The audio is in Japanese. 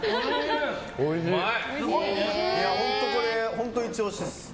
本当、イチ押しです。